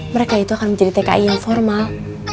mereka itu akan menjadi tki yang formal